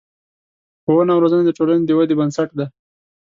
ښوونه او روزنه د ټولنې د ودې بنسټ دی.